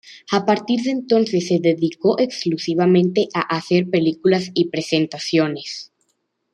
A partir de entonces, se dedicó exclusivamente a hacer películas y presentaciones.